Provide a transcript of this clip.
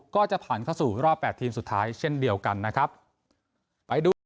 ก็จะผ่านเข้าสู่รอบแปดทีมสุดท้ายเช่นเดียวกันนะครับไปดู